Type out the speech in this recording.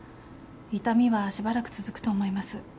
痛みはしばらく続くと思います。